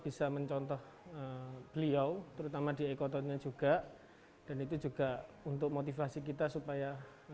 bisa mencontoh beliau terutama di ekototnya juga dan itu juga untuk motivasi kita supaya